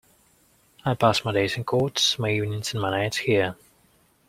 I pass my days in court, my evenings and my nights here.